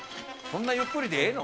そんなゆっくりでええの？